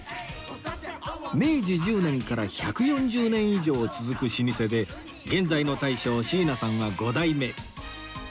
明治１０年から１４０年以上続く老舗で現在の大将椎名さんは５代目